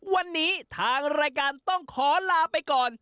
วันนี้ทางรายการต้องขอลาไปก่อน